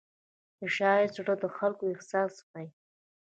د شاعر زړه د خلکو احساس ښيي.